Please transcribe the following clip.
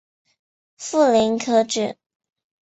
富临可以指